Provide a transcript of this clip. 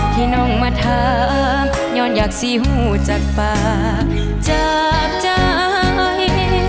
ที่น้องมาถามย้อนอยากสี่หูจากป่าจากใจ